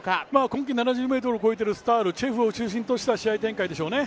今季７０ｍを越えているスタールチェフを中心とした展開でしょうね。